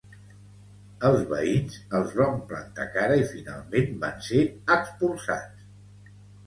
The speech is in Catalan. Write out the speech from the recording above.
Els veïns els van plantar cara i finalment van ser expulsats.